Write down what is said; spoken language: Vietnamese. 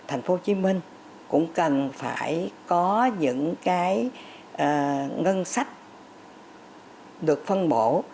thành phố hồ chí minh cũng cần phải có những cái ngân sách được phân bổ